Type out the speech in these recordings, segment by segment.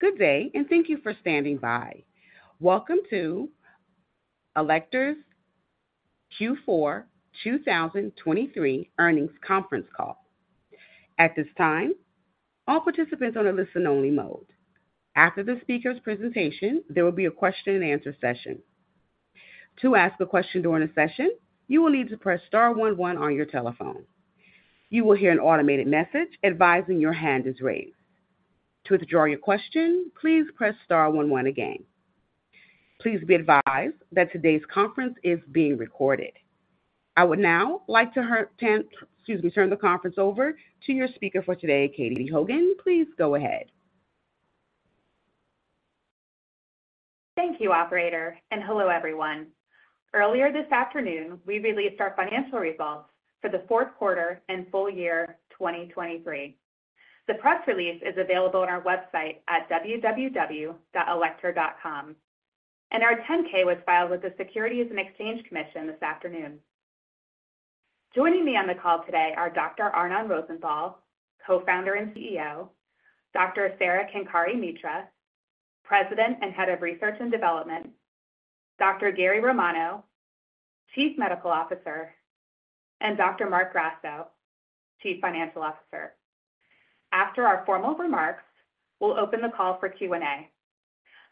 Good day, and thank you for standing by. Welcome to Alector's Q4 2023 earnings conference call. At this time, all participants are on a listen-only mode. After the speaker's presentation, there will be a question and answer session. To ask a question during the session, you will need to press star one one on your telephone. You will hear an automated message advising your hand is raised. To withdraw your question, please press star one one again. Please be advised that today's conference is being recorded. I would now like to excuse me, turn the conference over to your speaker for today, Katie Hogan. Please go ahead. Thank you, operator, and hello, everyone. Earlier this afternoon, we released our financial results for the fourth quarter and full year 2023. The press release is available on our website at www.alector.com, and our 10-K was filed with the Securities and Exchange Commission this afternoon. Joining me on the call today are Dr. Arnon Rosenthal, Co-founder and CEO; Dr. Sara Kenkare-Mitra, President and Head of Research and Development; Dr. Gary Romano, Chief Medical Officer; and Dr. Marc Grasso, Chief Financial Officer. After our formal remarks, we'll open the call for Q&A.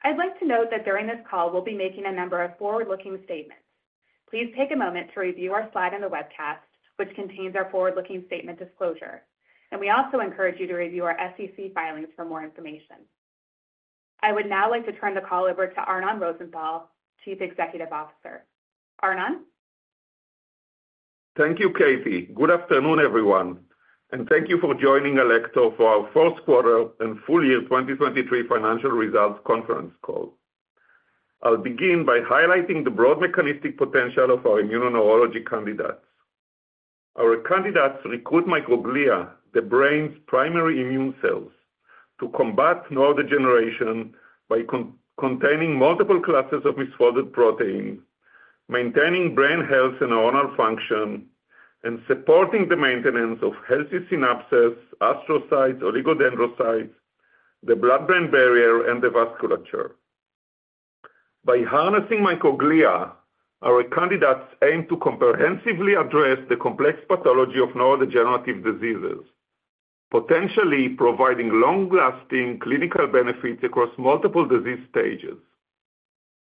I'd like to note that during this call, we'll be making a number of forward-looking statements. Please take a moment to review our slide on the webcast, which contains our forward-looking statement disclosure, and we also encourage you to review our SEC filings for more information. I would now like to turn the call over to Arnon Rosenthal, Chief Executive Officer. Arnon? Thank you, Katie. Good afternoon, everyone, and thank you for joining Alector for our fourth quarter and full year 2023 financial results conference call. I'll begin by highlighting the broad mechanistic potential of our immuno-neurology candidates. Our candidates recruit microglia, the brain's primary immune cells, to combat neurodegeneration by containing multiple classes of misfolded protein, maintaining brain health and neuronal function, and supporting the maintenance of healthy synapses, astrocytes, oligodendrocytes, the blood-brain barrier, and the vasculature. By harnessing microglia, our candidates aim to comprehensively address the complex pathology of neurodegenerative diseases, potentially providing long-lasting clinical benefits across multiple disease stages.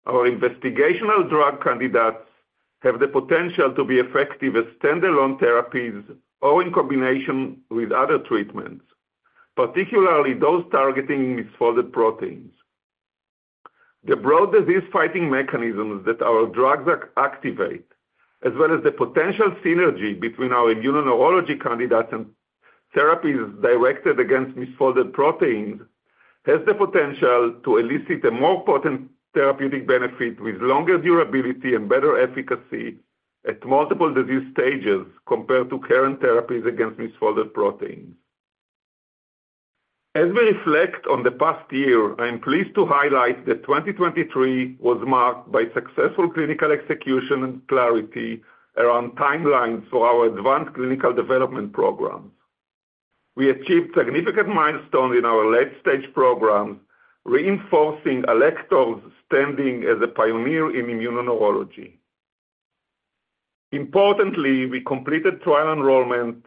Our investigational drug candidates have the potential to be effective as standalone therapies or in combination with other treatments, particularly those targeting misfolded proteins. The broad disease-fighting mechanisms that our drugs activate, as well as the potential synergy between our immunoneurology candidates and therapies directed against misfolded proteins, has the potential to elicit a more potent therapeutic benefit with longer durability and better efficacy at multiple disease stages compared to current therapies against misfolded proteins. As we reflect on the past year, I am pleased to highlight that 2023 was marked by successful clinical execution and clarity around timelines for our advanced clinical development programs. We achieved significant milestone in our late-stage programs, reinforcing Alector's standing as a pioneer in immunoneurology. Importantly, we completed trial enrollment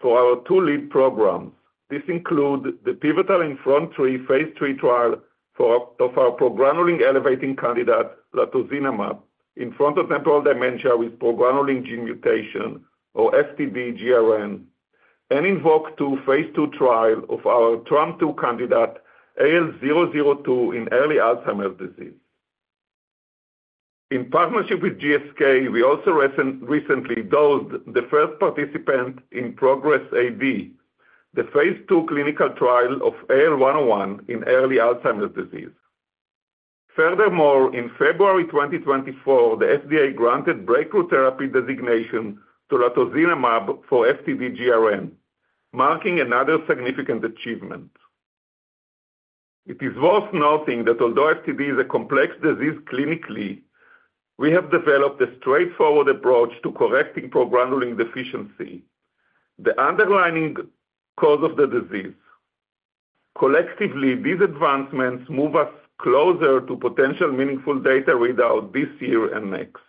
for our two lead programs. This includes the pivotal INFRONT-3 phase III trial for, of our progranulin-elevating candidate, latozinemab, in frontotemporal dementia with progranulin gene mutation or FTD-GRN, and INVOKE-2 phase II trial of our TREM2 candidate, AL002, in early Alzheimer's disease. In partnership with GSK, we also recently dosed the first participant in PROGRESS-AD, the phase II clinical trial of AL101 in early Alzheimer's disease. Furthermore, in February 2024, the FDA granted Breakthrough Therapy designation to latozinemab for FTD-GRN, marking another significant achievement. It is worth noting that although FTD is a complex disease clinically, we have developed a straightforward approach to correcting progranulin deficiency, the underlying cause of the disease. Collectively, these advancements move us closer to potential meaningful data readout this year and next.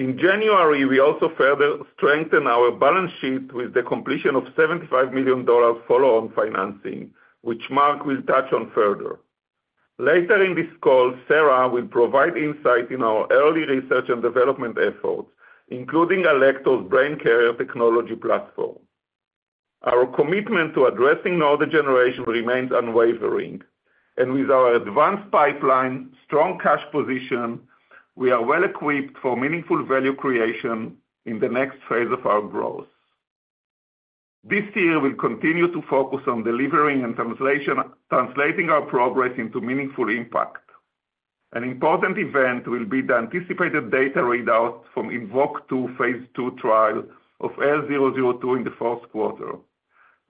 In January, we also further strengthened our balance sheet with the completion of $75 million follow-on financing, which Marc will touch on further. Later in this call, Sara will provide insight in our early research and development efforts, including Alector's Brain Carrier technology platform. Our commitment to addressing neurodegeneration remains unwavering, and with our advanced pipeline, strong cash position, we are well-equipped for meaningful value creation in the next phase of our growth. This year, we'll continue to focus on delivering and translating our progress into meaningful impact. An important event will be the anticipated data readout from INVOKE-2 phase II trial of AL002 in the fourth quarter.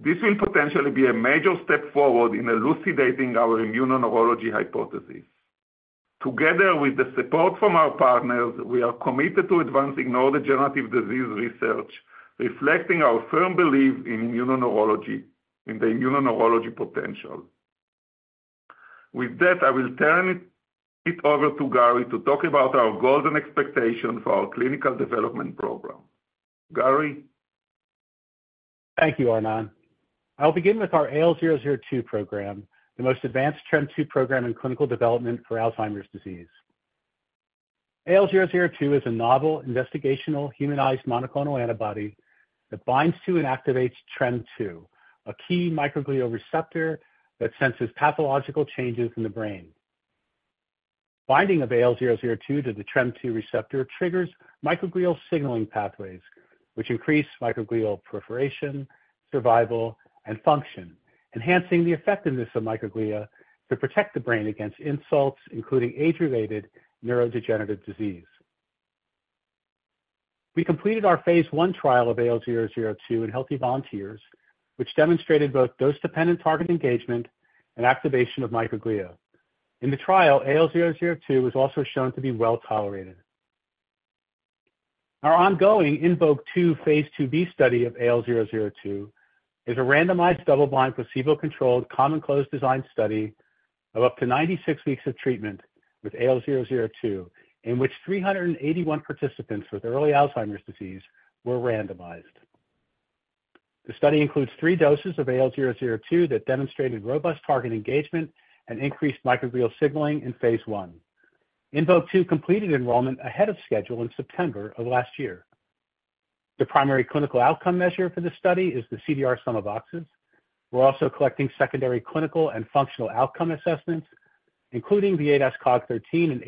This will potentially be a major step forward in elucidating our immunoneurology hypothesis. Together with the support from our partners, we are committed to advancing neurodegenerative disease research, reflecting our firm belief in immunoneurology, in the immunoneurology potential. With that, I will turn it over to Gary to talk about our goals and expectations for our clinical development program. Gary? Thank you, Arnon. I'll begin with our AL002 program, the most advanced TREM2 program in clinical development for Alzheimer's disease. AL002 is a novel investigational humanized monoclonal antibody that binds to and activates TREM2, a key microglial receptor that senses pathological changes in the brain. Binding of AL002 to the TREM2 receptor triggers microglial signaling pathways, which increase microglial proliferation, survival, and function, enhancing the effectiveness of microglia to protect the brain against insults, including age-related neurodegenerative disease. We completed our phase I trial of AL002 in healthy volunteers, which demonstrated both dose-dependent target engagement and activation of microglia. In the trial, AL002 was also shown to be well-tolerated. Our ongoing INVOKE-2 phase II-B study of AL002 is a randomized, double-blind, placebo-controlled, common close design study of up to 96 weeks of treatment with AL002, in which 381 participants with early Alzheimer's disease were randomized. The study includes three doses of AL002 that demonstrated robust target engagement and increased microglial signaling in phase I. INVOKE-2 completed enrollment ahead of schedule in September of last year. The primary clinical outcome measure for this study is the CDR Sum of Boxes. We're also collecting secondary clinical and functional outcome assessments, including the ADAS-Cog13 and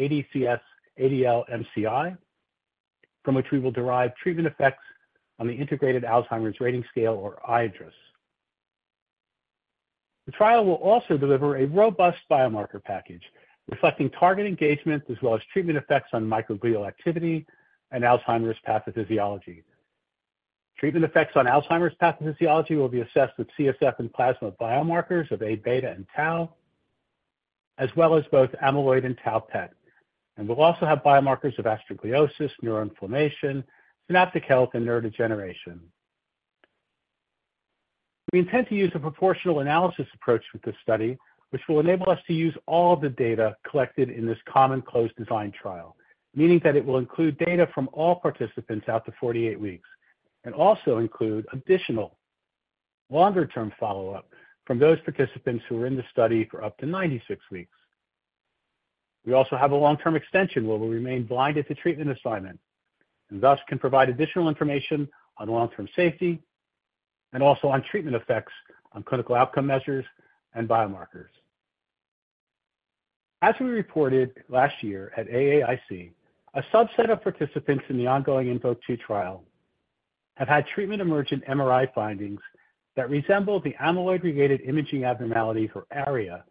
ADCS-ADL-MCI, from which we will derive treatment effects on the Integrated Alzheimer's Rating Scale or iADRS. The trial will also deliver a robust biomarker package, reflecting target engagement as well as treatment effects on microglial activity and Alzheimer's pathophysiology. Treatment effects on Alzheimer's pathophysiology will be assessed with CSF and plasma biomarkers of Aβ and tau, as well as both amyloid and tau PET. We'll also have biomarkers of astrogliosis, neuroinflammation, synaptic health, and neurodegeneration. We intend to use a proportional analysis approach with this study, which will enable us to use all the data collected in this common close design trial, meaning that it will include data from all participants out to 48 weeks, and also include additional longer-term follow-up from those participants who are in the study for up to 96 weeks. We also have a long-term extension where we remain blinded to treatment assignment, and thus can provide additional information on long-term safety and also on treatment effects on clinical outcome measures and biomarkers. As we reported last year at AAIC, a subset of participants in the ongoing INVOKE-2 trial have had treatment-emergent MRI findings that resemble the amyloid-related imaging abnormality, or ARIA,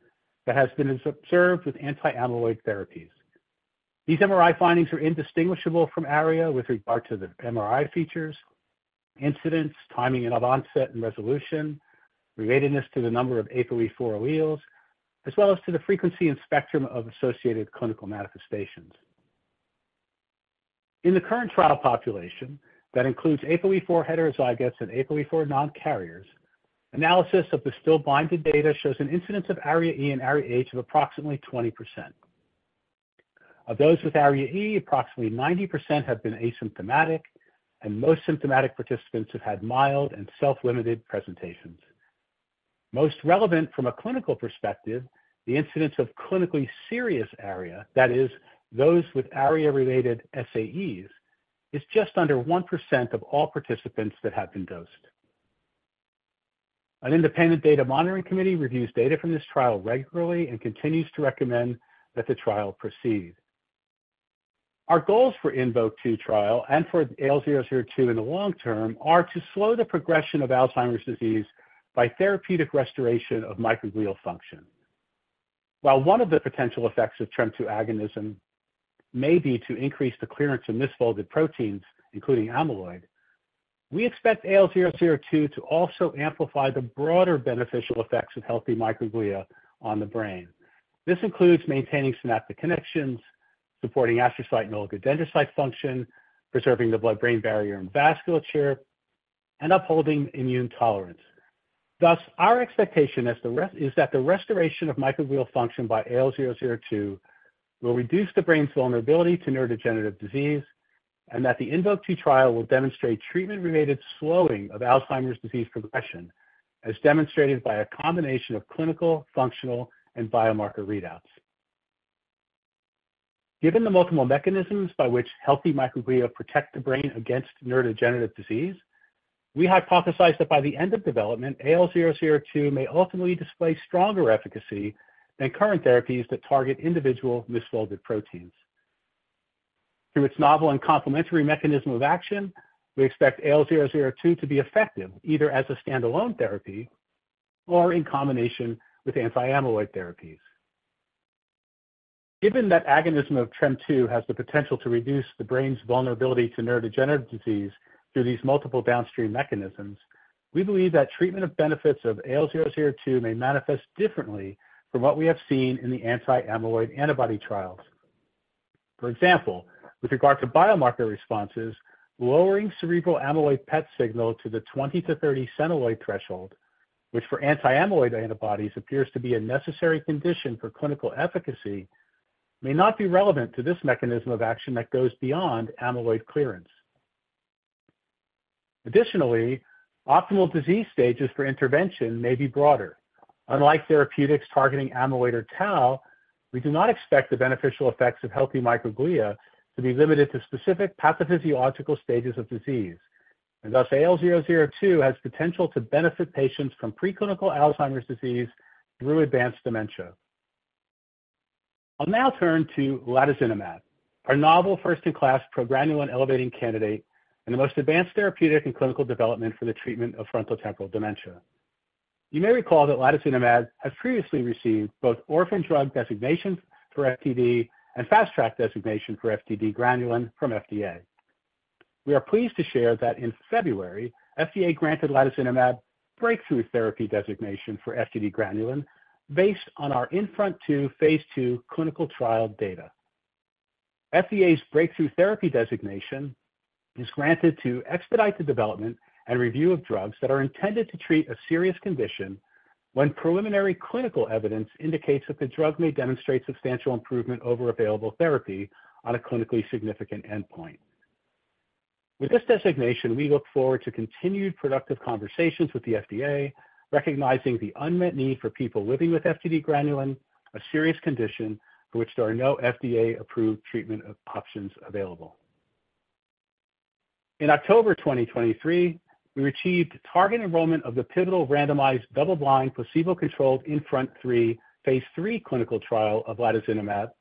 that has been observed with anti-amyloid therapies. These MRI findings are indistinguishable from ARIA with regard to the MRI features, incidence, timing of onset and resolution, relatedness to the number of APOE4 alleles, as well as to the frequency and spectrum of associated clinical manifestations. In the current trial population, that includes APOE4 heterozygotes and APOE4 non-carriers, analysis of the still blinded data shows an incidence of ARIA-E and ARIA-H of approximately 20%. Of those with ARIA-E, approximately 90% have been asymptomatic, and most symptomatic participants have had mild and self-limited presentations. Most relevant from a clinical perspective, the incidence of clinically serious ARIA, that is, those with ARIA-related SAEs, is just under 1% of all participants that have been dosed. An independent data monitoring committee reviews data from this trial regularly and continues to recommend that the trial proceed. Our goals for INVOKE-2 trial and for AL002 in the long term are to slow the progression of Alzheimer's disease by therapeutic restoration of microglial function. While one of the potential effects of TREM2 agonism may be to increase the clearance of misfolded proteins, including amyloid, we expect AL002 to also amplify the broader beneficial effects of healthy microglia on the brain. This includes maintaining synaptic connections, supporting astrocyte and oligodendrocyte function, preserving the blood-brain barrier and vasculature, and upholding immune tolerance. Thus, our expectation is that the restoration of microglial function by AL002 will reduce the brain's vulnerability to neurodegenerative disease, and that the INVOKE-2 trial will demonstrate treatment-related slowing of Alzheimer's disease progression, as demonstrated by a combination of clinical, functional, and biomarker readouts. Given the multiple mechanisms by which healthy microglia protect the brain against neurodegenerative disease, we hypothesize that by the end of development, AL002 may ultimately display stronger efficacy than current therapies that target individual misfolded proteins. Through its novel and complementary mechanism of action, we expect AL002 to be effective either as a standalone therapy or in combination with anti-amyloid therapies. Given that agonism of TREM2 has the potential to reduce the brain's vulnerability to neurodegenerative disease through these multiple downstream mechanisms. We believe that treatment of benefits of AL002 may manifest differently from what we have seen in the anti-amyloid antibody trials. For example, with regard to biomarker responses, lowering cerebral amyloid PET signal to the 20-30 centiloid threshold, which for anti-amyloid antibodies appears to be a necessary condition for clinical efficacy, may not be relevant to this mechanism of action that goes beyond amyloid clearance. Additionally, optimal disease stages for intervention may be broader. Unlike therapeutics targeting amyloid or tau, we do not expect the beneficial effects of healthy microglia to be limited to specific pathophysiological stages of disease, and thus AL002 has potential to benefit patients from preclinical Alzheimer's disease through advanced dementia. I'll now turn to latozinemab, our novel first-in-class progranulin elevating candidate and the most advanced therapeutic in clinical development for the treatment of frontotemporal dementia. You may recall that latozinemab has previously received both Orphan Drug designations for FTD and Fast Track designation for FTD-GRN from FDA. We are pleased to share that in February, FDA granted latozinemab Breakthrough Therapy designation for FTD-GRN based on our INFRONT-2 phase II clinical trial data. FDA's Breakthrough Therapy designation is granted to expedite the development and review of drugs that are intended to treat a serious condition when preliminary clinical evidence indicates that the drug may demonstrate substantial improvement over available therapy on a clinically significant endpoint. With this designation, we look forward to continued productive conversations with the FDA, recognizing the unmet need for people living with FTD-GRN, a serious condition for which there are no FDA-approved treatment options available. In October 2023, we achieved target enrollment of the pivotal randomized double-blind, placebo-controlled INFRONT-3 phase III clinical trial of latozinemab,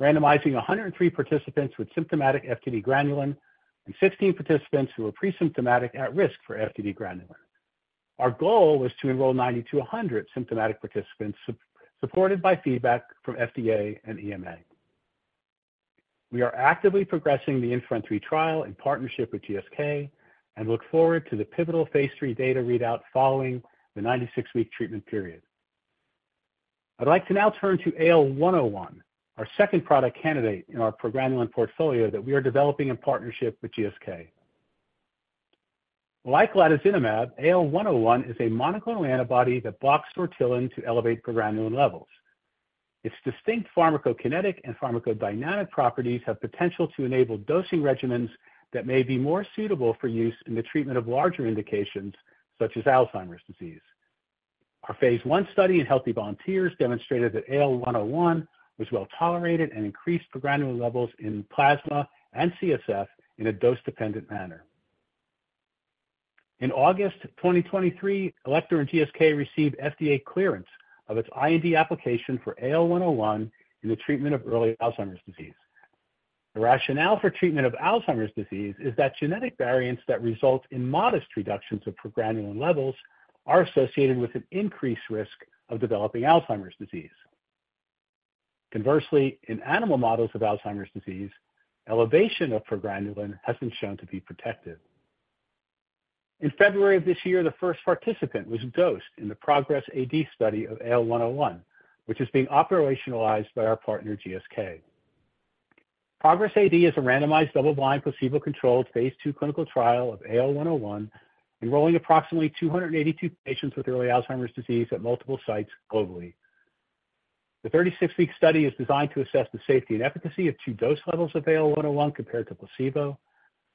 randomizing 103 participants with symptomatic FTD-GRN and 16 participants who were presymptomatic at risk for FTD-GRN. Our goal was to enroll 90 to 100 symptomatic participants, supported by feedback from FDA and EMA. We are actively progressing the INFRONT-3 trial in partnership with GSK and look forward to the pivotal phase III data readout following the 96-week treatment period. I'd like to now turn to AL101, our second product candidate in our progranulin portfolio that we are developing in partnership with GSK. Like latozinemab, AL101 is a monoclonal antibody that blocks sortilin to elevate progranulin levels. Its distinct pharmacokinetic and pharmacodynamic properties have potential to enable dosing regimens that may be more suitable for use in the treatment of larger indications, such as Alzheimer's disease. Our phase I study in healthy volunteers demonstrated that AL101 was well-tolerated and increased progranulin levels in plasma and CSF in a dose-dependent manner. In August 2023, Alector and GSK received FDA clearance of its IND application for AL101 in the treatment of early Alzheimer's disease. The rationale for treatment of Alzheimer's disease is that genetic variants that result in modest reductions of progranulin levels are associated with an increased risk of developing Alzheimer's disease. Conversely, in animal models of Alzheimer's disease, elevation of progranulin has been shown to be protective. In February of this year, the first participant was dosed in the PROGRESS-AD study of AL101, which is being operationalized by our partner, GSK. PROGRESS-AD is a randomized, double-blind, placebo-controlled phase II clinical trial of AL101, enrolling approximately 282 patients with early Alzheimer's disease at multiple sites globally. The 36-week study is designed to assess the safety and efficacy of two dose levels of AL101 compared to placebo.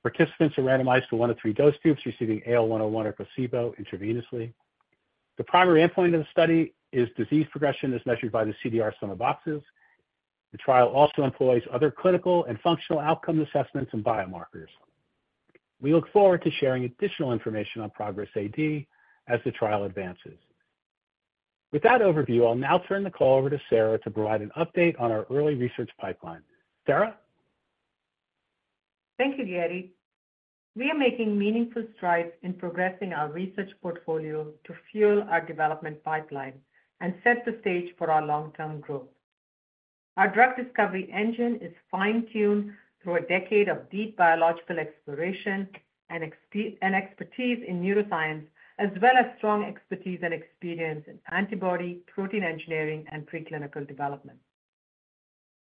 Participants are randomized to one of three dose groups, receiving AL101 or placebo intravenously. The primary endpoint of the study is disease progression, as measured by the CDR Sum of Boxes. The trial also employs other clinical and functional outcome assessments and biomarkers. We look forward to sharing additional information on PROGRESS-AD as the trial advances. With that overview, I'll now turn the call over to Sara to provide an update on our early research pipeline. Sara? Thank you, Gary. We are making meaningful strides in progressing our research portfolio to fuel our development pipeline and set the stage for our long-term growth. Our drug discovery engine is fine-tuned through a decade of deep biological exploration and expertise in neuroscience, as well as strong expertise and experience in antibody, protein engineering, and preclinical development.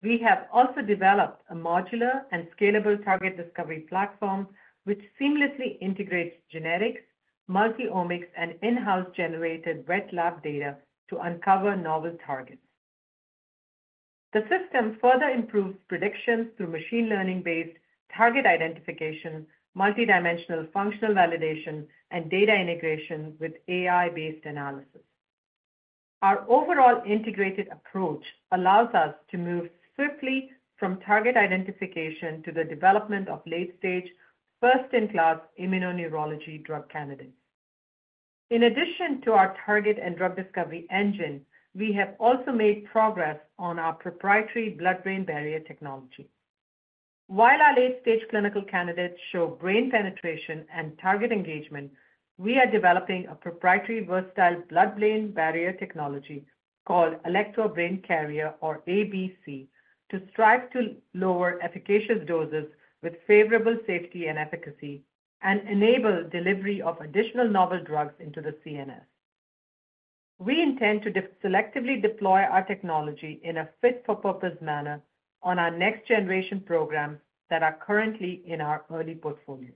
We have also developed a modular and scalable target discovery platform, which seamlessly integrates genetics, multi-omics, and in-house generated wet lab data to uncover novel targets. The system further improves predictions through machine learning-based target identification, multidimensional functional validation, and data integration with AI-based analysis. Our overall integrated approach allows us to move swiftly from target identification to the development of late-stage, first-in-class immunoneurology drug candidates. In addition to our target and drug discovery engine, we have also made progress on our proprietary blood-brain barrier technology. While our late-stage clinical candidates show brain penetration and target engagement, we are developing a proprietary, versatile blood-brain barrier technology called Alector Brain Carrier, or ABC, to strive to lower efficacious doses with favorable safety and efficacy and enable delivery of additional novel drugs into the CNS. We intend to selectively deploy our technology in a fit-for-purpose manner on our next-generation programs that are currently in our early portfolio.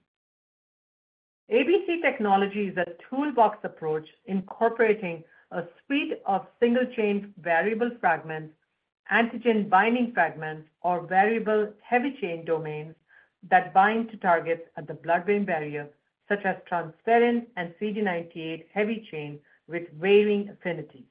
ABC technology is a toolbox approach incorporating a suite of single-chain variable fragments, antigen-binding fragments, or variable heavy chain domains that bind to targets at the blood-brain barrier, such as transferrin and CD98 heavy chain with varying affinities.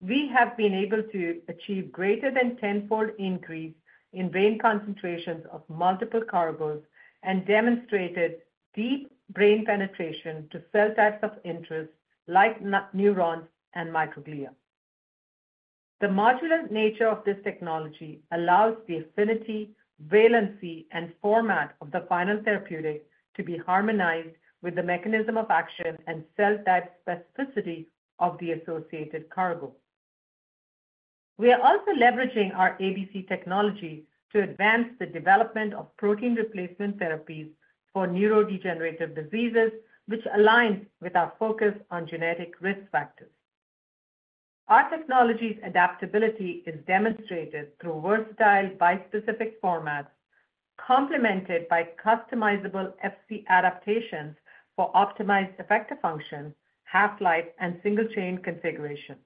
We have been able to achieve greater than tenfold increase in brain concentrations of multiple cargos and demonstrated deep brain penetration to cell types of interest, like neurons and microglia. The modular nature of this technology allows the affinity, valency, and format of the final therapeutic to be harmonized with the mechanism of action and cell type specificity of the associated cargo. We are also leveraging our ABC technology to advance the development of protein replacement therapies for neurodegenerative diseases, which aligns with our focus on genetic risk factors. Our technology's adaptability is demonstrated through versatile bispecific formats, complemented by customizable Fc adaptations for optimized effector function, half-life, and single-chain configurations.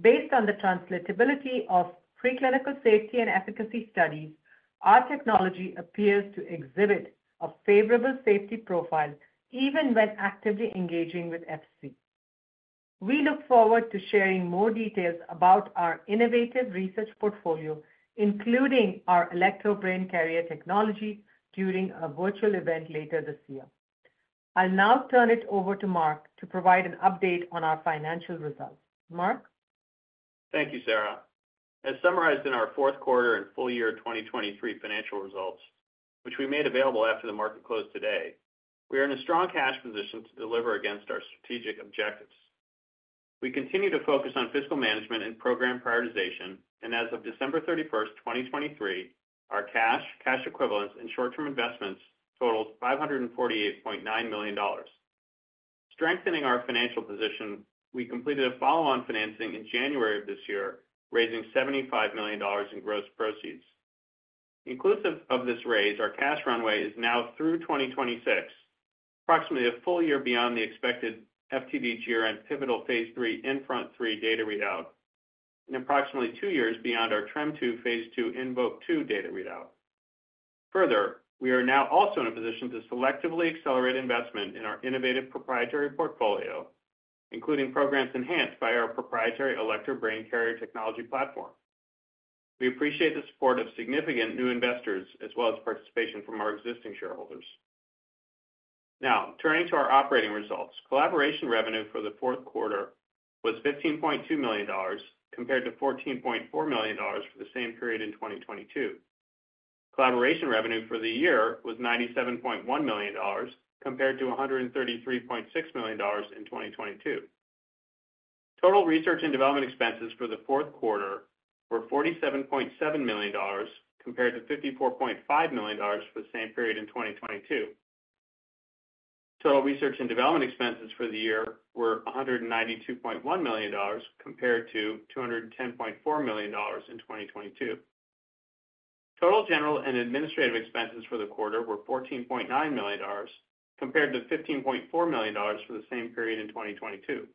Based on the translatability of preclinical safety and efficacy studies, our technology appears to exhibit a favorable safety profile, even when actively engaging with Fc. We look forward to sharing more details about our innovative research portfolio, including our Alector Brain Carrier technology, during a virtual event later this year. I'll now turn it over to Marc to provide an update on our financial results. Marc? Thank you, Sara. As summarized in our fourth quarter and full year 2023 financial results, which we made available after the market closed today, we are in a strong cash position to deliver against our strategic objectives. We continue to focus on fiscal management and program prioritization, and as of December 31st, 2023, our cash, cash equivalents, and short-term investments totaled $548.9 million. Strengthening our financial position, we completed a follow-on financing in January of this year, raising $75 million in gross proceeds. Inclusive of this raise, our cash runway is now through 2026, approximately a full year beyond the expected FTD-GRN and pivotal phase III INFRONT-3 data readout, and approximately two years beyond our TREM2 phase II INVOKE-2 data readout. Further, we are now also in a position to selectively accelerate investment in our innovative proprietary portfolio, including programs enhanced by our proprietary Alector Brain Carrier technology platform. We appreciate the support of significant new investors as well as participation from our existing shareholders. Now, turning to our operating results. Collaboration revenue for the fourth quarter was $15.2 million, compared to $14.4 million for the same period in 2022. Collaboration revenue for the year was $97.1 million, compared to $133.6 million in 2022. Total research and development expenses for the fourth quarter were $47.7 million, compared to $54.5 million for the same period in 2022. Total research and development expenses for the year were $192.1 million, compared to $210.4 million in 2022. Total general and administrative expenses for the quarter were $14.9 million, compared to $15.4 million for the same period in 2022.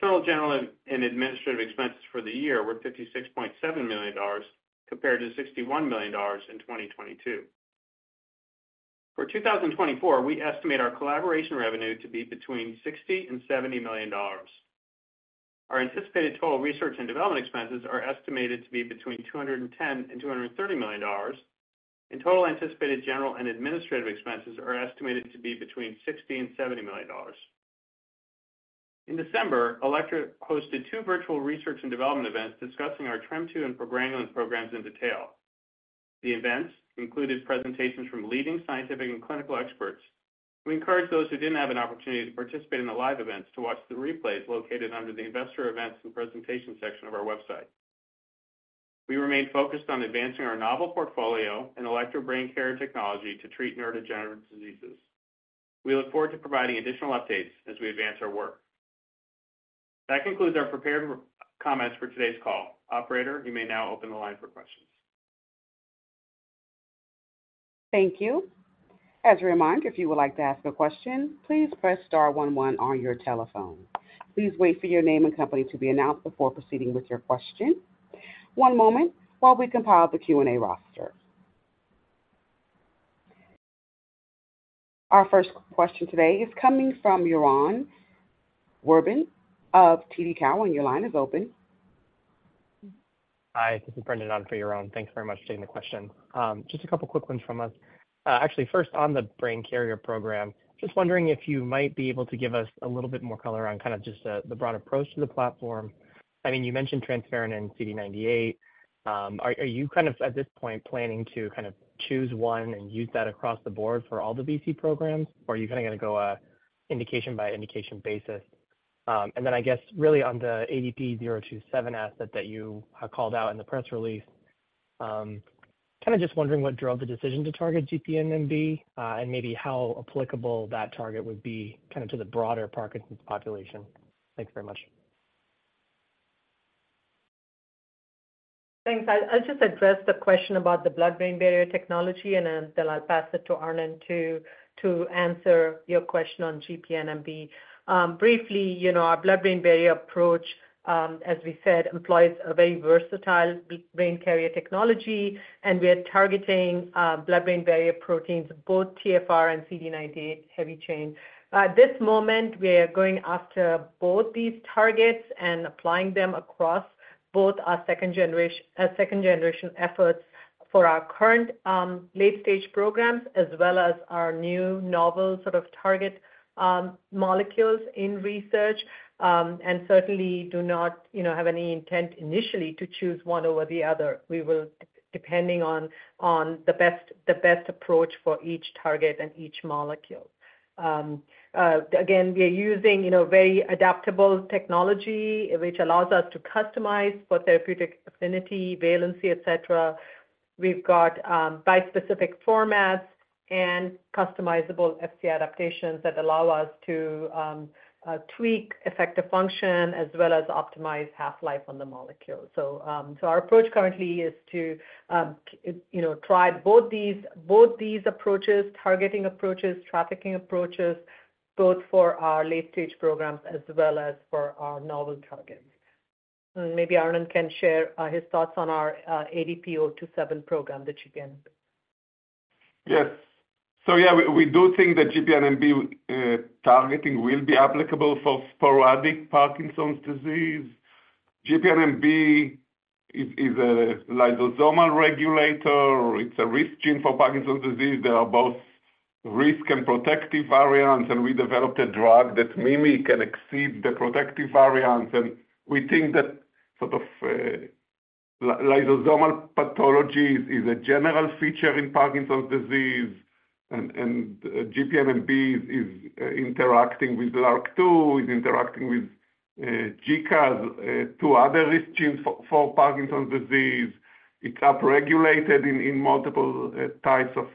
Total general and administrative expenses for the year were $56.7 million, compared to $61 million in 2022. For 2024, we estimate our collaboration revenue to be between $60 million and $70 million. Our anticipated total research and development expenses are estimated to be between $210 million and $230 million, and total anticipated general and administrative expenses are estimated to be between $60 million and $70 million. In December, Alector hosted two virtual research and development events discussing our TREM2 and progranulin programs in detail. The events included presentations from leading scientific and clinical experts. We encourage those who didn't have an opportunity to participate in the live events to watch the replays located under the Investor Events and Presentation section of our website. We remain focused on advancing our novel portfolio and Alector Brain Carrier technology to treat neurodegenerative diseases. We look forward to providing additional updates as we advance our work. That concludes our prepared remarks for today's call. Operator, you may now open the line for questions. Thank you. As a reminder, if you would like to ask a question, please press star one one on your telephone. Please wait for your name and company to be announced before proceeding with your question. One moment while we compile the Q&A roster. Our first question today is coming from Yaron Werber of TD Cowen. Your line is open. Hi, this is Brendan on for Yaron. Thanks very much for taking the question. Just a couple quick ones from us. Actually, first on the Brain Carrier program, just wondering if you might be able to give us a little bit more color around kind of just the broad approach to the platform. I mean, you mentioned transferrin and CD98. Are you kind of, at this point, planning to kind of choose one and use that across the board for all the BC programs, or are you kind of going to go an indication-by-indication basis? And then I guess, really on the ADP027 asset that you called out in the press release. Kind of just wondering what drove the decision to target GPNMB, and maybe how applicable that target would be kind of to the broader Parkinson's population? Thanks very much. Thanks. I'll just address the question about the blood-brain barrier technology, and then I'll pass it to Arnon to answer your question on GPNMB. Briefly, you know, our blood-brain barrier approach, as we said, employs a very versatile Brain Carrier technology, and we are targeting blood-brain barrier proteins, both TfR and CD98 heavy chain. At this moment, we are going after both these targets and applying them across both our second generation efforts for our current late stage programs, as well as our new novel sort of target molecules in research. And certainly do not, you know, have any intent initially to choose one over the other. We will depending on the best approach for each target and each molecule. Again, we are using, you know, very adaptable technology, which allows us to customize for therapeutic affinity, valency, et cetera. We've got bispecific formats and customizable Fc adaptations that allow us to tweak effector function as well as optimize half-life on the molecule. So, our approach currently is to, you know, try both these targeting approaches, trafficking approaches, both for our late-stage programs as well as for our novel targets. And maybe Arnon can share his thoughts on our ADP027 program, the GPNMB. Yes. So yeah, we do think that GPNMB targeting will be applicable for sporadic Parkinson's disease. GPNMB is a lysosomal regulator. It's a risk gene for Parkinson's disease. There are both risk and protective variants, and we developed a drug that maybe can exceed the protective variants. And we think that sort of lysosomal pathology is a general feature in Parkinson's disease, and GPNMB is interacting with LRRK2, interacting with GBA, two other risk genes for Parkinson's disease. It's upregulated in multiple types of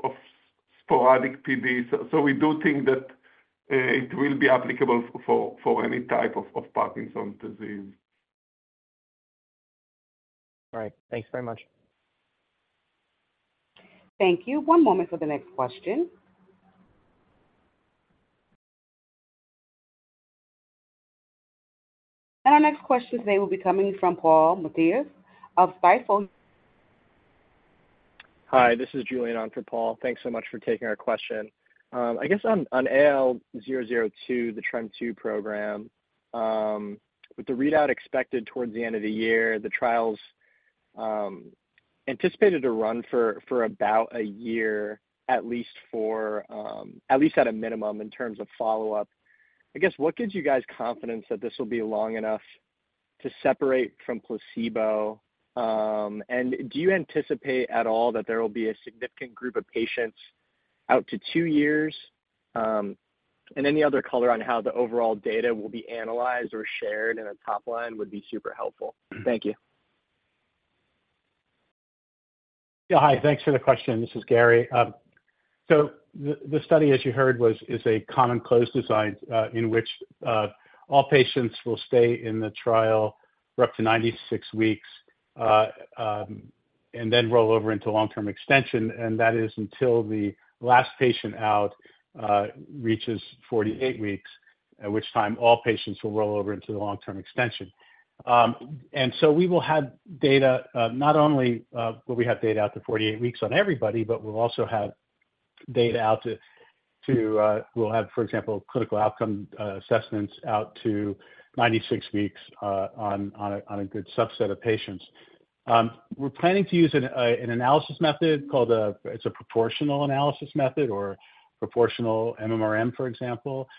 sporadic PD. So we do think that it will be applicable for any type of Parkinson's disease. All right. Thanks very much. Thank you. One moment for the next question. Our next question today will be coming from Paul Matteis of Stifel. Hi, this is Julian on for Paul. Thanks so much for taking our question. I guess on AL002, the TREM2 program, with the readout expected towards the end of the year, the trials anticipated to run for about a year, at least at a minimum in terms of follow-up. I guess, what gives you guys confidence that this will be long enough to separate from placebo? And do you anticipate at all that there will be a significant group of patients out to two years? And any other color on how the overall data will be analyzed or shared in a top line would be super helpful. Thank you. Yeah, hi. Thanks for the question. This is Gary. So the study, as you heard, is a common close design, in which all patients will stay in the trial for up to 96 weeks, and then roll over into long-term extension, and that is until the last patient out reaches 48 weeks, at which time all patients will roll over into the long-term extension. And so we will have data, not only will we have data out to 48 weeks on everybody, but we'll also have data out to... We'll have, for example, clinical outcome assessments out to 96 weeks, on a good subset of patients. We're planning to use an analysis method called a proportional analysis method or proportional MMRM, for example,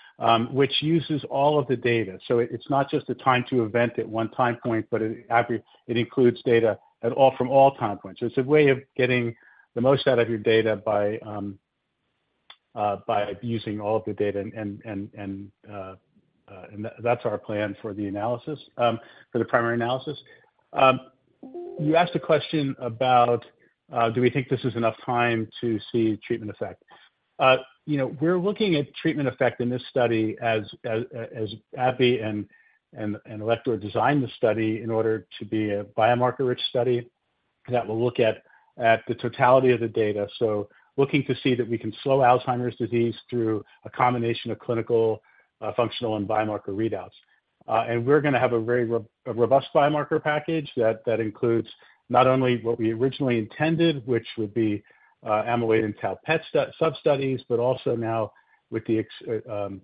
which uses all of the data. So it's not just the time to event at one time point, but it includes data at all time points. It's a way of getting the most out of your data by using all of the data and that's our plan for the analysis for the primary analysis. You asked a question about do we think this is enough time to see treatment effect? You know, we're looking at treatment effect in this study as AbbVie and Alector designed the study in order to be a biomarker-rich study that will look at the totality of the data. So looking to see that we can slow Alzheimer's disease through a combination of clinical, functional and biomarker readouts. And we're gonna have a very robust biomarker package that includes not only what we originally intended, which would be amyloid and tau PET substudies, but also now with the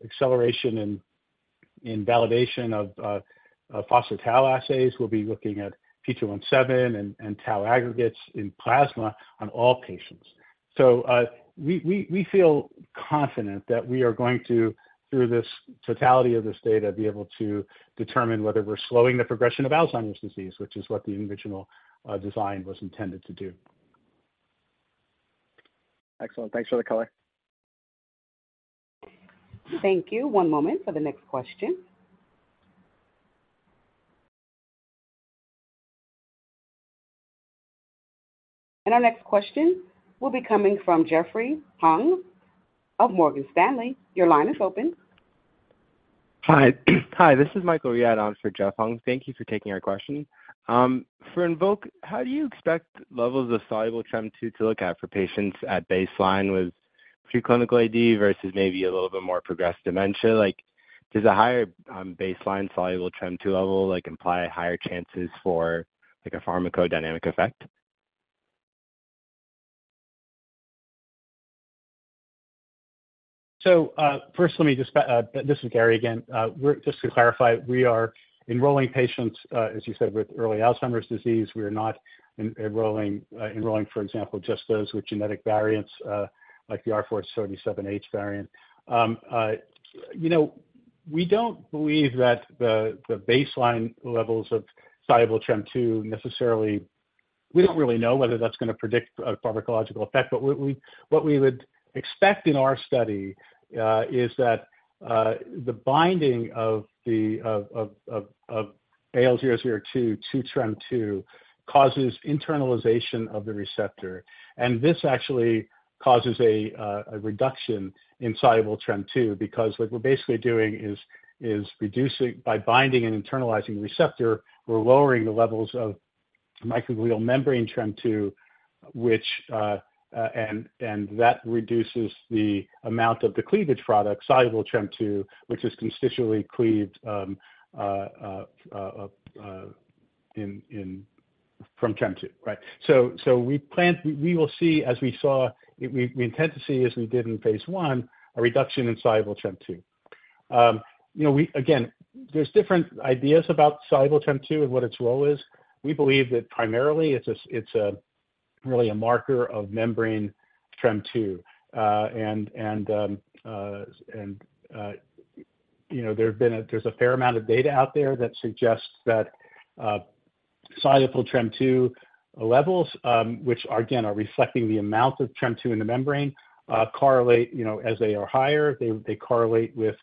acceleration in validation of phospho-tau assays, we'll be looking at p-tau217 and tau aggregates in plasma on all patients. So we feel confident that we are going to, through this totality of this data, be able to determine whether we're slowing the progression of Alzheimer's disease, which is what the original design was intended to do. Excellent. Thanks for the color. Thank you. One moment for the next question. Our next question will be coming from Jeffrey Hung of Morgan Stanley. Your line is open. Hi. Hi, this is Michael on for Jeff Hung. Thank you for taking our question. For Invoke, how do you expect levels of soluble TREM2 to look at for patients at baseline with pre-clinical AD versus maybe a little bit more progressed dementia? Like, does a higher baseline soluble TREM2 level, like, imply higher chances for, like, a pharmacodynamic effect? So, first, let me just, this is Gary again. We're just to clarify, we are enrolling patients, as you said, with early Alzheimer's disease. We are not enrolling, for example, just those with genetic variants, like the R47H variant. You know, we don't believe that the baseline levels of soluble TREM2 necessarily. We don't really know whether that's gonna predict a pharmacological effect, but what we would expect in our study is that the binding of AL002 to TREM2 causes internalization of the receptor. And this actually causes a reduction in soluble TREM2, because what we're basically doing is reducing by binding and internalizing the receptor, we're lowering the levels of microglial membrane TREM2, which and that reduces the amount of the cleavage product, soluble TREM2, which is constitutively cleaved from TREM2, right? So we will see, as we saw, we intend to see, as we did in phase I, a reduction in soluble TREM2. You know, again, there's different ideas about soluble TREM2 and what its role is. We believe that primarily it's really a marker of membrane TREM2. You know, there's a fair amount of data out there that suggests that soluble TREM2 levels, which again are reflecting the amount of TREM2 in the membrane, correlate, you know, as they are higher, they correlate with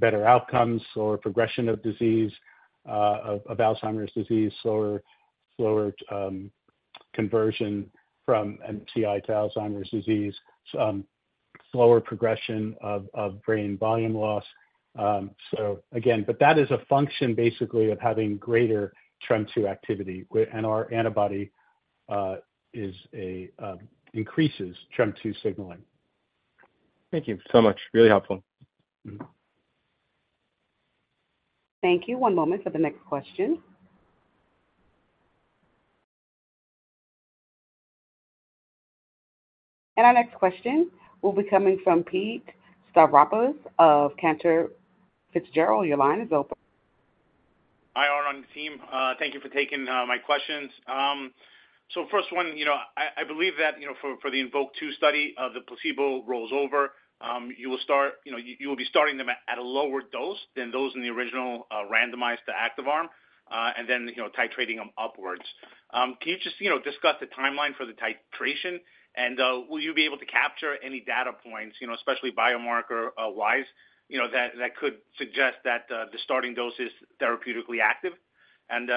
better outcomes or progression of disease, of Alzheimer's disease, slower conversion from MCI to Alzheimer's disease, slower progression of brain volume loss. So again, but that is a function basically of having greater TREM2 activity, and our antibody increases TREM2 signaling. Thank you so much. Really helpful. Mm-hmm. Thank you. One moment for the next question. Our next question will be coming from Pete Stavropoulos of Cantor Fitzgerald. Your line is open. Hi, Arnon and team. Thank you for taking my questions. So first one, you know, I believe that, you know, for the INVOKE-2 study, the placebo rolls over, you will start. You know, you will be starting them at a lower dose than those in the original randomized the active arm, and then, you know, titrating them upwards. Can you just discuss the timeline for the titration? And will you be able to capture any data points, you know, especially biomarker wise, you know, that could suggest that the starting dose is therapeutically active? And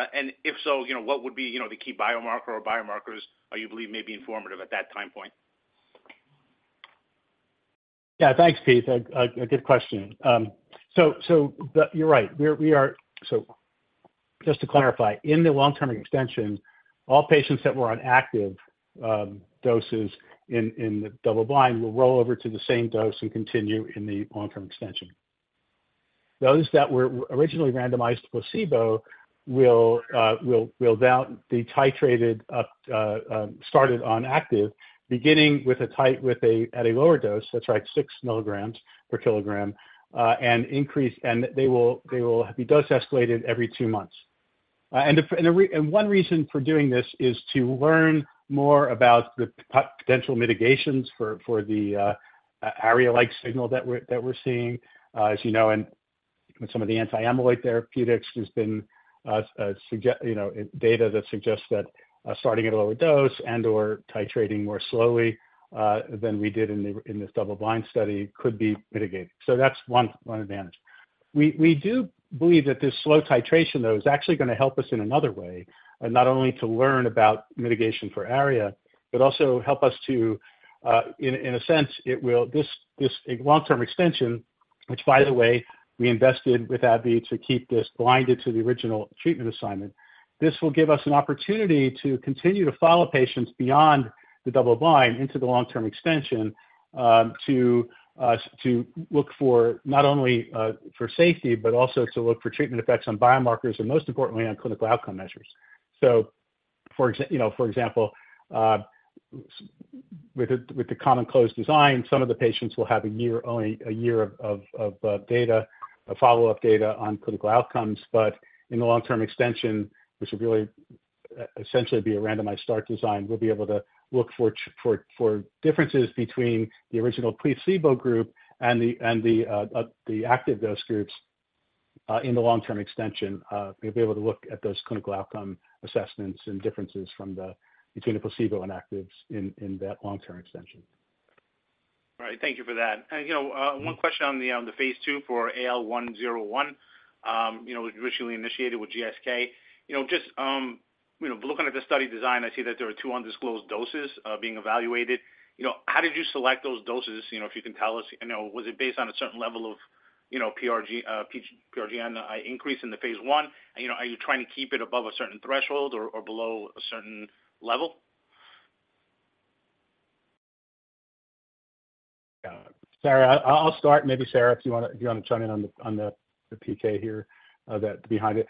if so, you know, what would be the key biomarker or biomarkers you believe may be informative at that time point? Yeah, thanks, Pete. A good question. So you're right, we are. So just to clarify, in the long-term extension, all patients that were on active doses in the double blind will roll over to the same dose and continue in the long-term extension. Those that were originally randomized to placebo will now be titrated up, started on active, beginning with a, at a lower dose. That's right, 6 mg per kg, and increase, and they will be dose escalated every two months. And one reason for doing this is to learn more about the potential mitigations for the ARIA-like signal that we're seeing. As you know, in some of the anti-amyloid therapeutics, there's been, you know, data that suggests that starting at a lower dose and/or titrating more slowly than we did in this double blind study could be mitigating. So that's one advantage. We do believe that this slow titration, though, is actually gonna help us in another way. And not only to learn about mitigation for ARIA, but also help us to in a sense, it will... This long-term extension, which, by the way, we invested with AbbVie to keep this blinded to the original treatment assignment. This will give us an opportunity to continue to follow patients beyond the double blind into the long-term extension, to look for not only for safety, but also to look for treatment effects on biomarkers, and most importantly, on clinical outcome measures. So, you know, for example, with the common close design, some of the patients will have a year, only a year of follow-up data on clinical outcomes. But in the long-term extension, which will really essentially be a randomized start design, we'll be able to look for differences between the original placebo group and the active dose groups. In the long-term extension, we'll be able to look at those clinical outcome assessments and differences between the placebo and actives in that long-term extension. All right, thank you for that. And, you know, one question on the, on the phase II for AL101, you know, originally initiated with GSK. You know, just, you know, looking at the study design, I see that there are two undisclosed doses being evaluated. You know, how did you select those doses? You know, if you can tell us, you know, was it based on a certain level of, you know, PRG, PG- PRGN increase in the phase I? And, you know, are you trying to keep it above a certain threshold or, or below a certain level? Yeah. Sarah, I'll start, maybe Sarah, if you wanna, if you wanna chime in on the PK here, that behind it.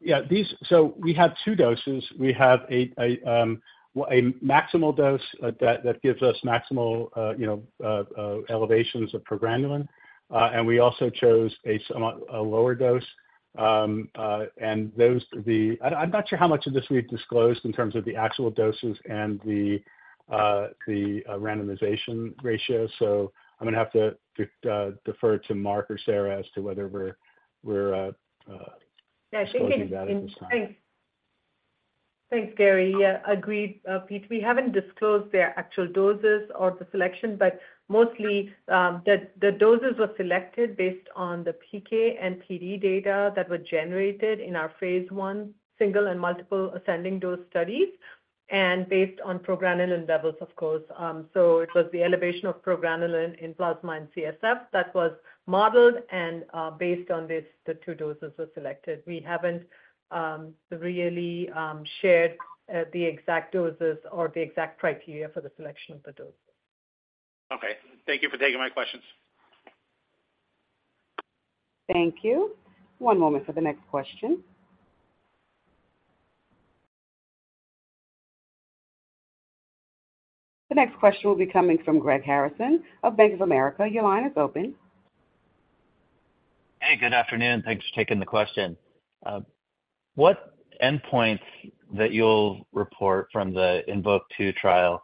Yeah, so we have two doses. We have a maximal dose, that gives us maximal, you know, elevations of progranulin. And we also chose a somewhat lower dose. And those, the... I'm not sure how much of this we've disclosed in terms of the actual doses and the randomization ratio, so I'm gonna have to defer to Mark or Sarah as to whether we're- Yeah, I think it- disclosing that at this time. Thanks. Thanks, Gary. Yeah, agreed, Pete, we haven't disclosed their actual doses or the selection, but mostly, the doses were selected based on the PK and PD data that were generated in our phase I, single and multiple ascending dose studies, and based on progranulin levels, of course. So it was the elevation of progranulin in plasma and CSF that was modeled and, based on this, the two doses were selected. We haven't really shared the exact doses or the exact criteria for the selection of the doses. Okay. Thank you for taking my questions. Thank you. One moment for the next question. The next question will be coming from Greg Harrison of Bank of America. Your line is open. Hey, good afternoon, thanks for taking the question. What endpoints that you'll report from the INVOKE-2 trial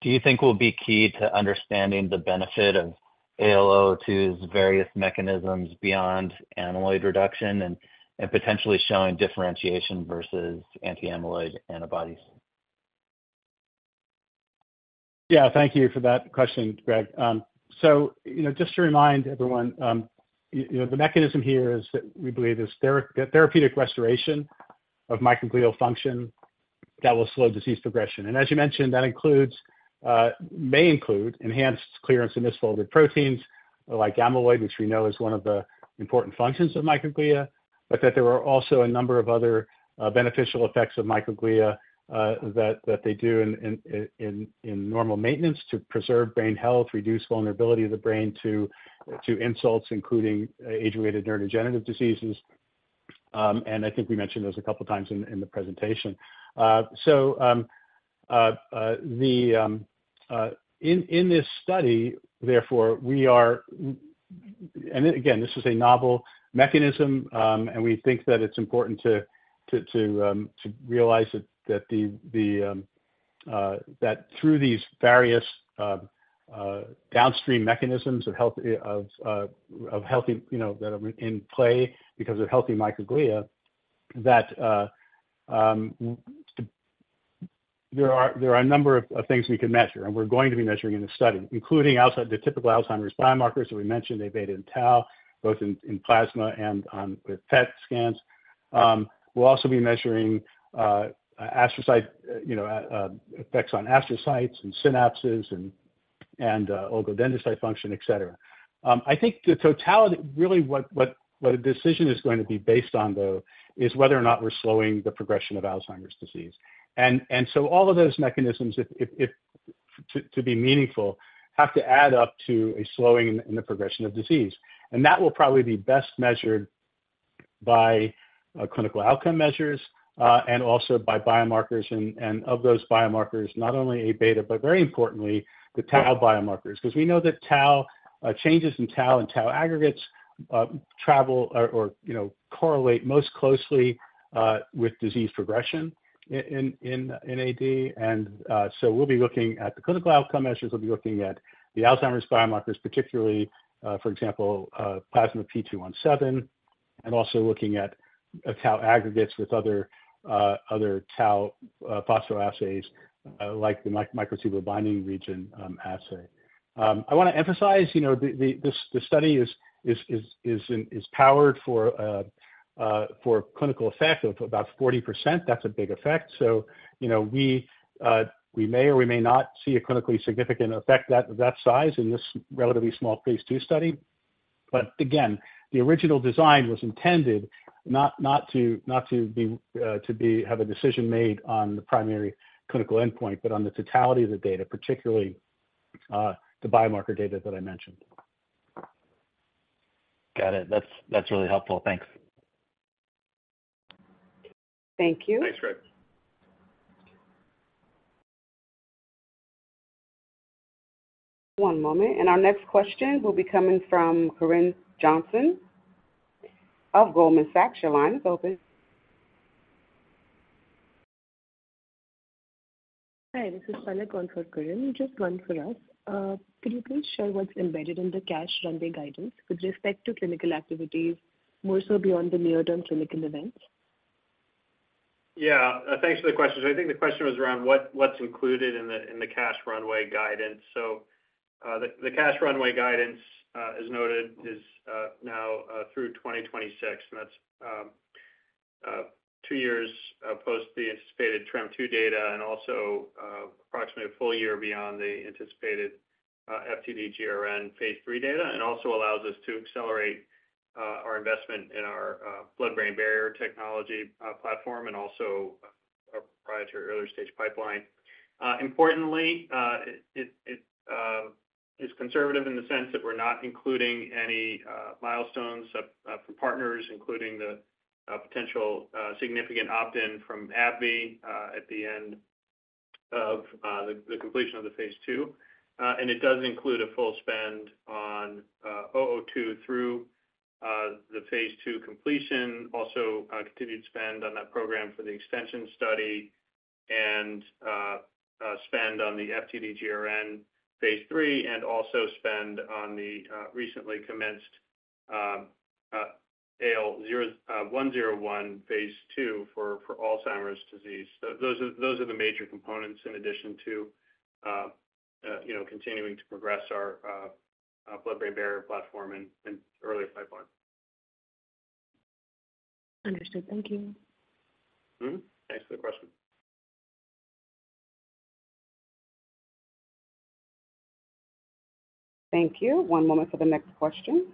do you think will be key to understanding the benefit of AL002's various mechanisms beyond amyloid reduction and potentially showing differentiation versus anti-amyloid antibodies? Yeah, thank you for that question, Greg. So, you know, just to remind everyone, you know, the mechanism here is, we believe is the therapeutic restoration of microglial function that will slow disease progression. And as you mentioned, that includes, may include enhanced clearance of misfolded proteins, like amyloid, which we know is one of the important functions of microglia. But that there are also a number of other, beneficial effects of microglia, that they do in normal maintenance to preserve brain health, reduce vulnerability of the brain to insults, including, age-related neurodegenerative diseases. And I think we mentioned those a couple times in the presentation. So, in this study, therefore, we are—and again, this is a novel mechanism, and we think that it's important to realize that through these various downstream mechanisms of healthy, you know, that are in play because of healthy microglia, there are a number of things we can measure, and we're going to be measuring in the study, including outside the typical Alzheimer's biomarkers that we mentioned, Aβ and tau, both in plasma and with PET scans. We'll also be measuring astrocyte, you know, effects on astrocytes and synapses and oligodendrocyte function, et cetera. I think the totality, really, what a decision is going to be based on, though, is whether or not we're slowing the progression of Alzheimer's disease. And so all of those mechanisms, if to be meaningful, have to add up to a slowing in the progression of disease. And that will probably be best measured by clinical outcome measures and also by biomarkers. And of those biomarkers, not only Aβ, but very importantly, the tau biomarkers. 'Cause we know that tau changes in tau and tau aggregates travel or, you know, correlate most closely with disease progression in AD. And so we'll be looking at the clinical outcome measures. We'll be looking at the Alzheimer's biomarkers, particularly, for example, plasma p-tau217, and also looking at tau aggregates with other tau phospho assays, like the microtubule binding region assay. I wanna emphasize, you know, this study is powered for clinical effect of about 40%. That's a big effect. So, you know, we may or we may not see a clinically significant effect of that size in this relatively small phase II study. But again, the original design was intended not to have a decision made on the primary clinical endpoint, but on the totality of the data, particularly, the biomarker data that I mentioned. Got it. That's, that's really helpful. Thanks. Thank you. Thanks, Greg. One moment, and our next question will be coming from Corinne Jenkins of Goldman Sachs. Your line is open. Hi, this is Palak on for Corinne. Just one for us. Could you please share what's embedded in the cash runway guidance with respect to clinical activities, more so beyond the near-term clinical events? Yeah, thanks for the question. So I think the question was around what’s included in the cash runway guidance. So, the cash runway guidance, as noted, is now through 2026, and that's two years post the anticipated TREM2 data and also approximately a full year beyond the anticipated FTD-GRN phase III data, and also allows us to accelerate our investment in our blood-brain barrier technology platform and also our proprietary early-stage pipeline. Importantly, it is conservative in the sense that we're not including any milestones from partners, including the potential significant opt-in from AbbVie at the end of the completion of the phase II. It does include a full spend on AL002 through the phase II completion. Also, continued spend on that program for the extension study and spend on the FTD-GRN phase III, and also spend on the recently commenced AL101 phase II for Alzheimer's disease. So those are the major components in addition to you know continuing to progress our blood-brain barrier platform and early pipeline. Understood. Thank you. Mm-hmm. Thanks for the question. Thank you. One moment for the next question.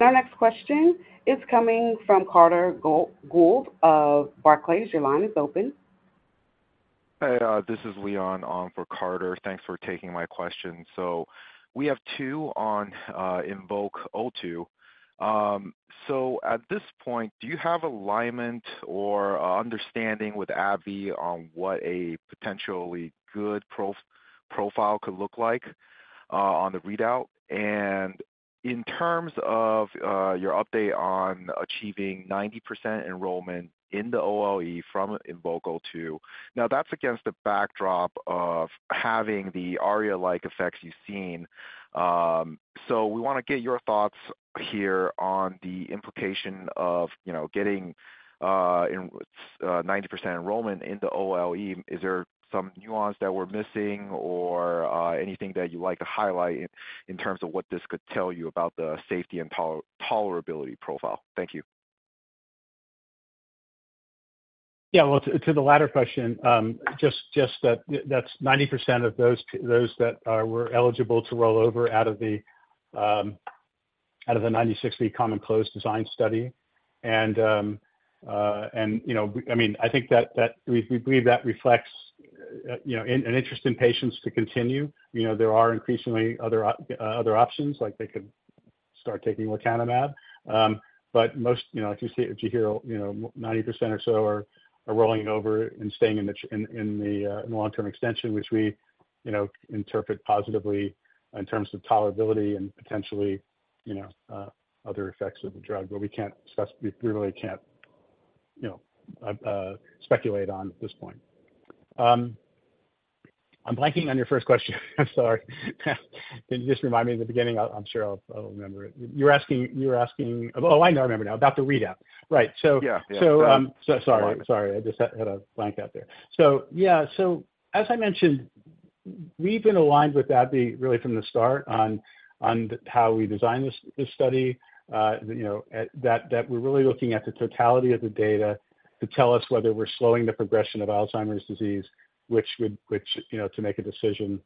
Our next question is coming from Carter Gould of Barclays. Your line is open. Hey, this is Leon on for Carter. Thanks for taking my question. So we have two on INVOKE-2. So at this point, do you have alignment or understanding with AbbVie on what a potentially good profile could look like on the readout? And in terms of your update on achieving 90% enrollment in the OLE from INVOKE-2, now, that's against the backdrop of having the ARIA-like effects you've seen. So we wanna get your thoughts here on the implication of, you know, getting 90% enrollment in the OLE. Is there some nuance that we're missing or anything that you'd like to highlight in terms of what this could tell you about the safety and tolerability profile? Thank you. Yeah, well, to the latter question, just that, that's 90% of those that were eligible to roll over out of the 90-60 common close design study. And, you know, I mean, I think that we believe that reflects, you know, an interest in patients to continue. You know, there are increasingly other options, like they could start taking lecanemab. But most, you know, if you hear, you know, 90% or so are rolling over and staying in the long-term extension, which we, you know, interpret positively in terms of tolerability and potentially, you know, other effects of the drug. But we can't discuss. We really can't, you know, speculate on at this point. I'm blanking on your first question. I'm sorry. Can you just remind me in the beginning? I'm sure I'll remember it. You were asking... Oh, I know, I remember now, about the readout. Right. Yeah, yeah. So, so sorry, sorry. I just had a blank out there. So yeah, so as I mentioned, we've been aligned with AbbVie really from the start on the how we designed this study. You know, that we're really looking at the totality of the data to tell us whether we're slowing the progression of Alzheimer's disease, which would, you know, to make a decision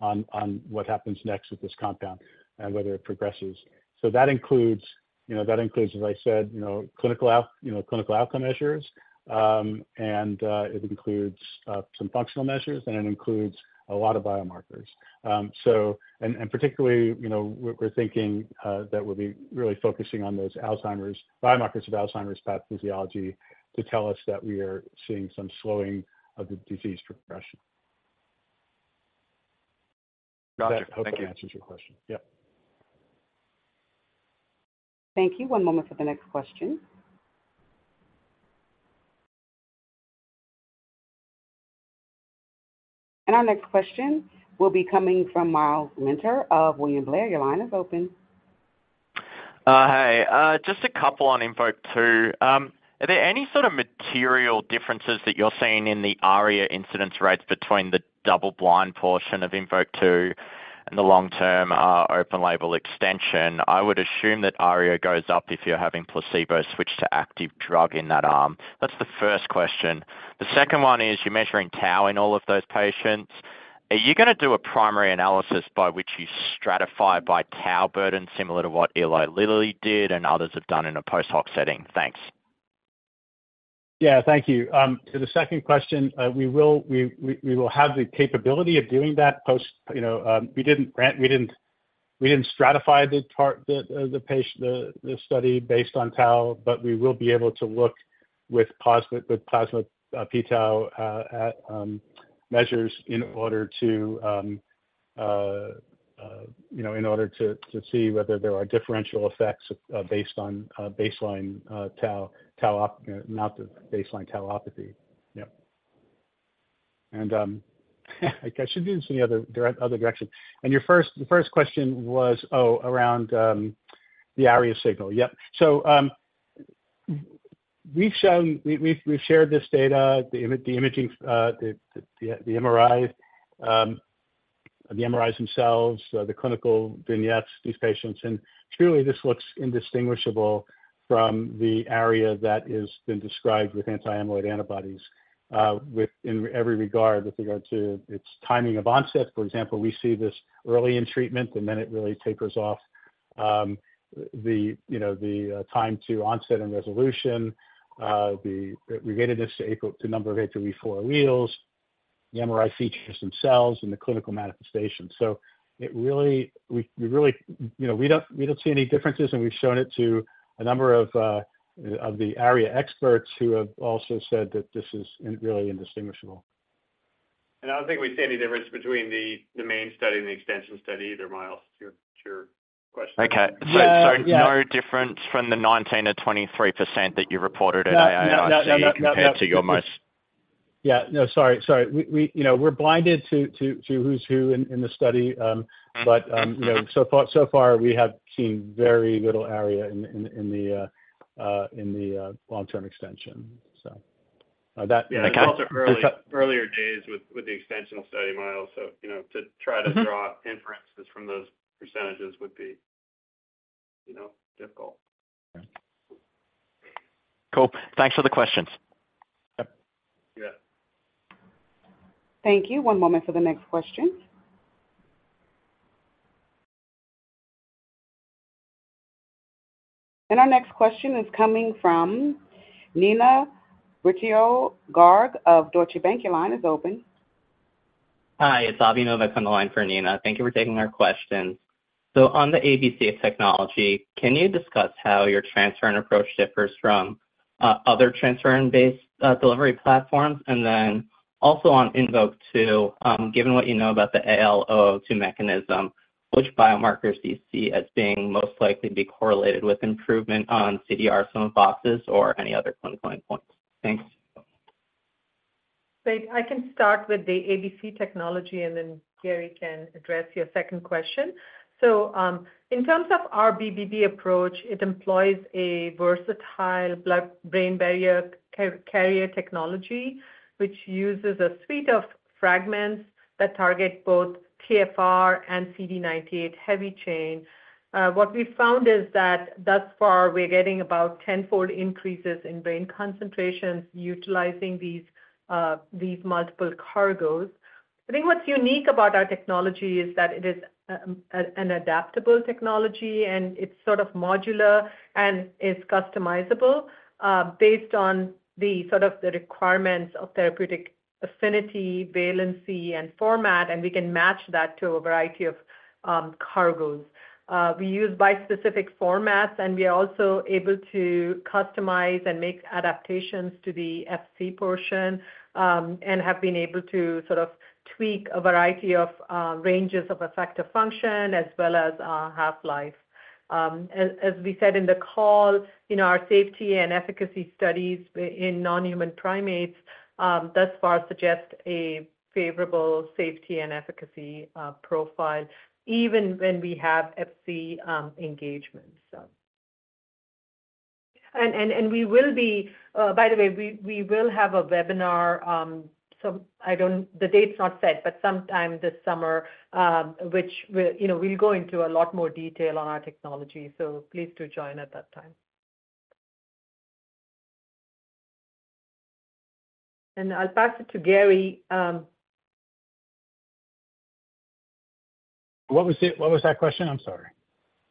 on what happens next with this compound and whether it progresses. So that includes, you know, that includes, as I said, you know, clinical outcome measures, and it includes some functional measures, and it includes a lot of biomarkers. So, particularly, you know, we're thinking that we'll be really focusing on those Alzheimer's biomarkers of Alzheimer's pathophysiology to tell us that we are seeing some slowing of the disease progression. Gotcha. Thank you. I hope that answers your question. Yep. Thank you. One moment for the next question. Our next question will be coming from Myles Minter of William Blair. Your line is open. Hey, just a couple on INVOKE-2. Are there any sort of material differences that you're seeing in the ARIA incidence rates between the double-blind portion of INVOKE-2 and the long-term open-label extension? I would assume that ARIA goes up if you're having placebo switch to active drug in that arm. That's the first question. The second one is, you're measuring tau in all of those patients. Are you gonna do a primary analysis by which you stratify by tau burden, similar to what Eli Lilly did and others have done in a post hoc setting? Thanks. Yeah, thank you. To the second question, we will have the capability of doing that post, you know, we didn't stratify the study based on tau, but we will be able to look with plasma p-tau at measures in order to, you know, in order to see whether there are differential effects based on baseline tau, not the baseline tauopathy. Yep. And I should be in some other direction. And your first question was around the ARIA signal. Yep. So, we've shown, we've shared this data, the imaging, the MRI, the MRIs themselves, the clinical vignettes, these patients, and truly, this looks indistinguishable from the ARIA that has been described with anti-amyloid antibodies, within every regard with regard to its timing of onset. For example, we see this early in treatment, and then it really tapers off. You know, the time to onset and resolution, the relatedness to number of ApoE4 alleles, the MRI features themselves and the clinical manifestation. So it really, we really, you know, we don't see any differences, and we've shown it to a number of the ARIA experts, who have also said that this is really indistinguishable. I don't think we see any difference between the main study and the extension study either, Myles, to your question. Okay. So- Uh, yeah. No difference from the 19%-23% that you reported at AIC- No, no, no, no, no... compared to your mice? Yeah. No, sorry, sorry. We, you know, we're blinded to who's who in the study. But, you know, so far, we have seen very little ARIA in the long-term extension. So, that- Yeah. Also earlier days with the extension study, Myles. So, you know, to try to- Mm-hmm... draw inferences from those percentages would be, you know, difficult. Yeah. Cool. Thanks for the questions. Yep. Yeah. Thank you. One moment for the next question. Our next question is coming from Neena Bitritto-Garg of Deutsche Bank. Your line is open. Hi, it's Aravinda on the line for Neena. Thank you for taking our questions. So on the ABC technology, can you discuss how your transferrin approach differs from other transferrin-based delivery platforms? And then also on INVOKE-2, given what you know about the AL002 mechanism, which biomarkers do you see as being most likely to be correlated with improvement on CDR Sum of Boxes or any other clinical end points? Thanks. So I can start with the ABC technology, and then Gary can address your second question. In terms of our BBB approach, it employs a versatile blood-brain barrier carrier technology, which uses a suite of fragments that target both TfR and CD98 heavy chain. What we found is that thus far, we're getting about tenfold increases in brain concentrations utilizing these, these multiple cargoes. I think what's unique about our technology is that it is, an adaptable technology, and it's sort of modular, and it's customizable, based on the sort of the requirements of therapeutic affinity, valency, and format, and we can match that to a variety of, cargoes. We use bispecific formats, and we are also able to customize and make adaptations to the Fc portion, and have been able to sort of tweak a variety of ranges of effector function as well as half-life. As we said in the call, in our safety and efficacy studies in non-human primates thus far suggest a favorable safety and efficacy profile, even when we have Fc engagement, so. And we will be, by the way, we will have a webinar. The date's not set, but sometime this summer, which we'll, you know, we'll go into a lot more detail on our technology, so please do join at that time. And I'll pass it to Gary. What was it? What was that question? I'm sorry.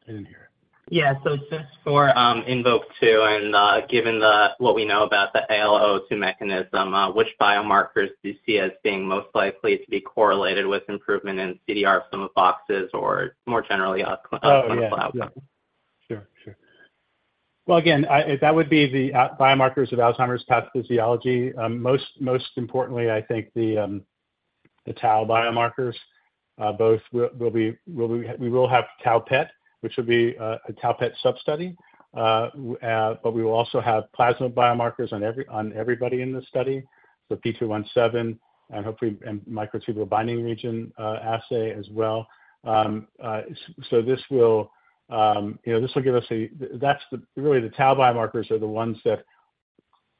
I didn't hear it. Yeah. So just for INVOKE-2 and, given what we know about the AL002 mechanism, which biomarkers do you see as being most likely to be correlated with improvement in CDR Sum of Boxes or more generally, clinical outcome? Oh, yeah. Yeah. Sure, sure. Well, again, that would be the biomarkers of Alzheimer's pathophysiology. Most importantly, I think the tau biomarkers, both. We will have tau PET, which will be a tau PET sub study. But we will also have plasma biomarkers on everybody in this study. So p217 and hopefully microtubule binding region assay as well. So this will, you know, this will give us a... That's the, really, the tau biomarkers are the ones that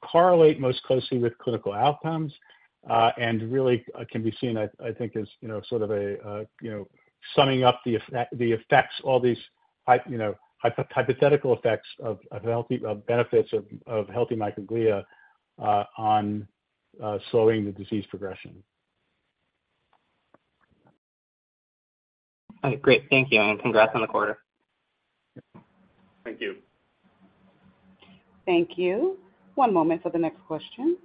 correlate most closely with clinical outcomes, and really, can be seen as, I think, as, you know, sort of a, you know, summing up the effects, all these hypothetical effects of, of healthy, of benefits of, of healthy microglia, on, slowing the disease progression. All right. Great. Thank you, and congrats on the quarter. Thank you. Thank you. One moment for the next question.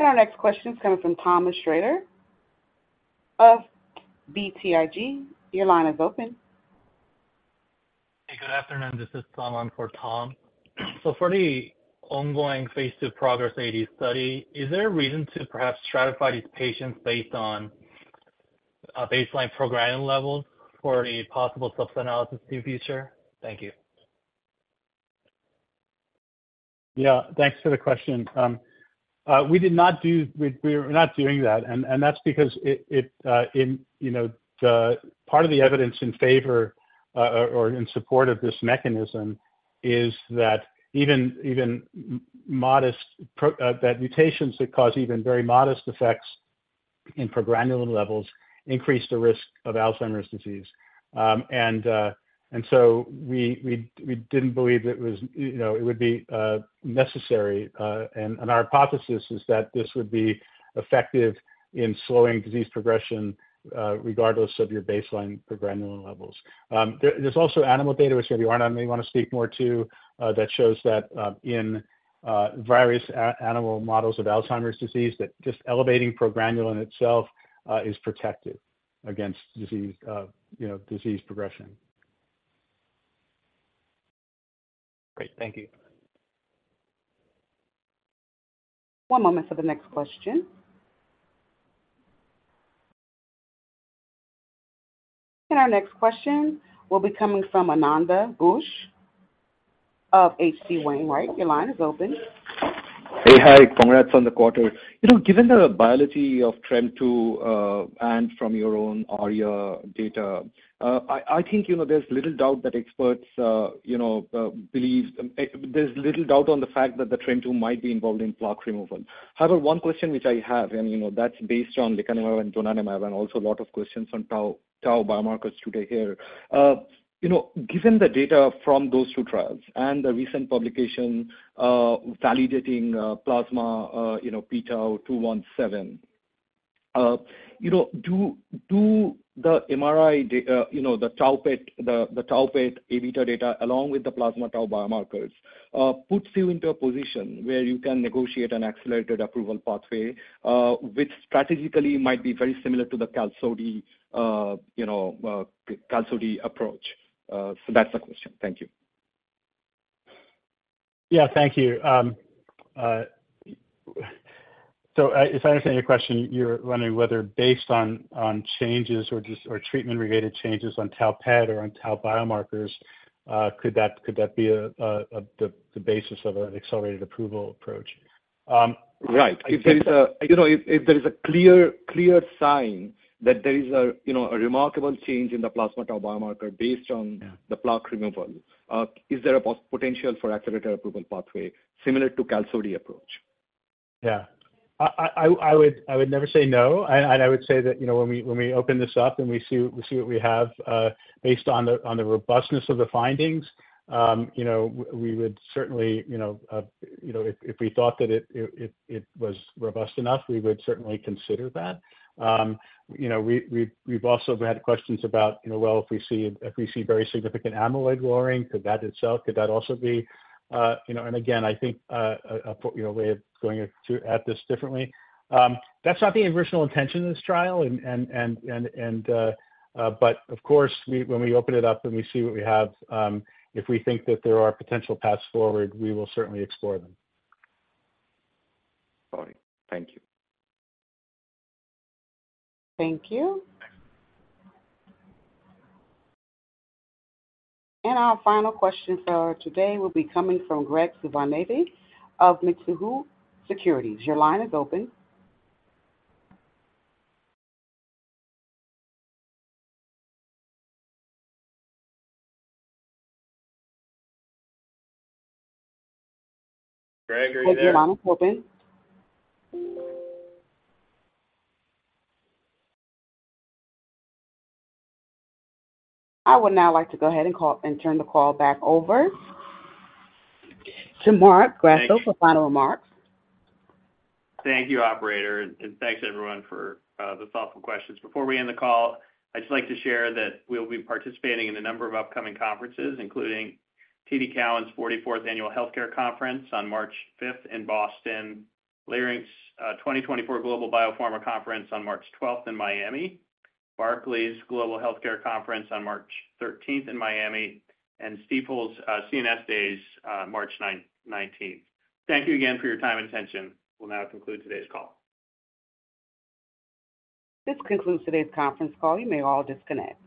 Our next question is coming from Thomas Schrader of BTIG. Your line is open. Good afternoon, this is Tom on for Tom. So for the ongoing phase II PROGRESS-AD study, is there a reason to perhaps stratify these patients based on baseline progranulin levels for any possible sub analysis in future? Thank you. Yeah, thanks for the question. We did not do. We're not doing that, and that's because it, in you know, the part of the evidence in favor, or in support of this mechanism is that mutations that cause even very modest effects in progranulin levels increase the risk of Alzheimer's disease. And so we didn't believe it was, you know, it would be necessary. And our hypothesis is that this would be effective in slowing disease progression, regardless of your baseline progranulin levels. There's also animal data, which maybe Arnon may wanna speak more to, that shows that in various animal models of Alzheimer's disease, that just elevating progranulin itself is protective against disease, you know, disease progression. Great. Thank you. One moment for the next question. Our next question will be coming from Ananda Ghosh of H.C. Wainwright. Your line is open. Hey, hi. Congrats on the quarter. You know, given the biology of TREM2, and from your own ARIA data, I think, you know, there's little doubt that experts, you know, believe, there's little doubt on the fact that the TREM2 might be involved in plaque removal. However, one question which I have, and, you know, that's based on lecanemab and donanemab, and also a lot of questions on tau, tau biomarkers today here. You know, given the data from those two trials and the recent publication validating plasma, you know, p-tau217, you know, do the MRI data, you know, the tau PET, the tau PET Aβ data, along with the plasma tau biomarkers, puts you into a position where you can negotiate an accelerated approval pathway, which strategically might be very similar to the lecanemab approach. So that's the question. Thank you. Yeah. Thank you. So if I understand your question, you're wondering whether based on changes or treatment-related changes on tau PET or on tau biomarkers, could that be the basis of an accelerated approval approach? Right. If there- If there is, you know, a clear sign that there is, you know, a remarkable change in the plasma tau biomarker based on- Yeah. The plaque removal, is there a potential for accelerated approval pathway similar to Kisunla approach? Yeah. I would never say no, and I would say that, you know, when we open this up and we see what we have, based on the robustness of the findings, you know, we would certainly, you know, if we thought that it was robust enough, we would certainly consider that. You know, we've also had questions about, you know, well, if we see very significant amyloid lowering, could that itself, could that also be, you know, and again, I think, you know, way of going to at this differently. That's not the original intention of this trial. But of course, we, when we open it up and we see what we have, if we think that there are potential paths forward, we will certainly explore them. Got it. Thank you. Thank you. And our final question for today will be coming from Graig Suvannavejh of Mizuho Securities. Your line is open. Greg, are you there? Your line is open. I would now like to go ahead and call and turn the call back over to Marc Grasso for final remarks. Thank you, operator, and thanks, everyone, for the thoughtful questions. Before we end the call, I'd just like to share that we'll be participating in a number of upcoming conferences, including TD Cowen's 44th Annual Healthcare Conference on March 5th in Boston, Leerink's 2024 Global Biopharma Conference on March 12th in Miami, Barclays Global Healthcare Conference on March 13th in Miami, and Stifel CNS Days March 19th. Thank you again for your time and attention. We'll now conclude today's call. This concludes today's conference call. You may all disconnect.